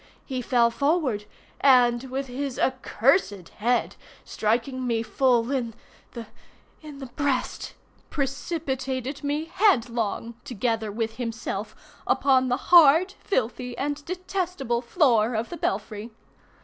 He fell forward, and, with his accursed head, striking me full in the—in the breast, precipitated me headlong, together with himself, upon the hard, filthy, and detestable floor of the belfry.